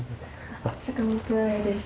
坂本彩です